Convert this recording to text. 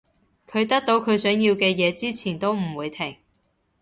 佢得到佢想要嘅嘢之前都唔會停